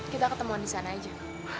kita ketemuan disana aja